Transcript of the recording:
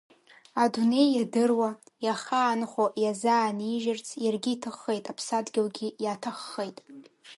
Адунеи иадыруа, иахаанхо иазаанижьырц иаргьы иҭаххеит, Аԥсадгьылгьы иаҭаххеит.